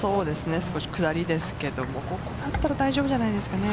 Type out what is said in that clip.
少し下りですがここだったら大丈夫じゃないですかね。